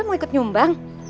pak rw mau ikut nyumbang